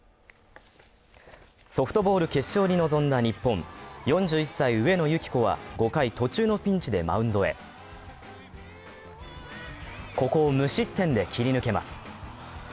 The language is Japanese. ソフトボール決勝に臨んだ日本４１歳上野由岐子は５回途中のピンチでマウンドへここを無失点で切り抜けます。